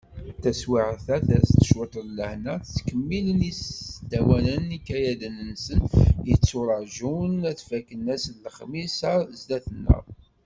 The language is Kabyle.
Taswiɛt-a, ters-d cwiṭ n lehna, ttkemmilen yisdawanen ikayaden-nsen, yetturaǧun ad fakken ass n lexmis-a sdat-nneɣ.